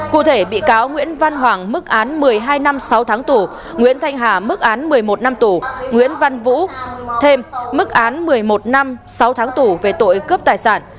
cụ thể bị cáo nguyễn văn hoàng mức án một mươi hai năm sáu tháng tù nguyễn thanh hà mức án một mươi một năm tù nguyễn văn vũ thêm mức án một mươi một năm sáu tháng tù về tội cướp tài sản